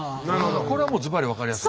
これはもうずばり分かりやすい。